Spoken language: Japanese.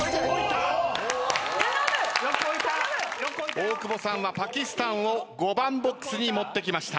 大久保さんはパキスタンを５番ボックスに持ってきました。